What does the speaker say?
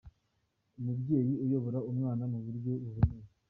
Umubyeyi uyobora umwana mu buryo buboneye.